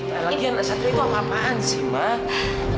lagi lagi sadria itu apa apaan sih mak